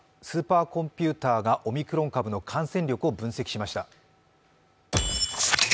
スーパーコンピューターがオミクロン株の感染力を分析しました。